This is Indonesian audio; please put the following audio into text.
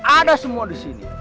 ada semua di sini